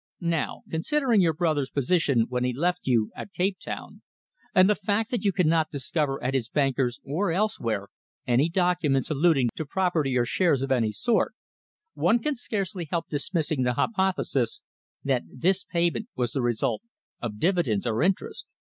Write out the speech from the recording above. Now, considering your brother's position when he left you at Cape Town, and the fact that you cannot discover at his bankers or elsewhere any documents alluding to property or shares of any sort, one can scarcely help dismissing the hypothesis that this payment was the result of dividends or interest.